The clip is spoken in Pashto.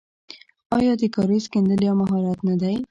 آیا د کاریز کیندل یو مهارت نه دی؟